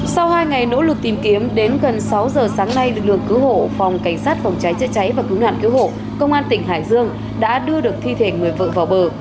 sau hai ngày nỗ lực tìm kiếm đến gần sáu giờ sáng nay lực lượng cứu hộ phòng cảnh sát phòng cháy chữa cháy và cứu nạn cứu hộ công an tỉnh hải dương đã đưa được thi thể người vợ vào bờ